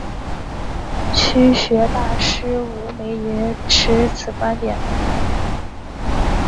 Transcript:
曲学大师吴梅也持此观点。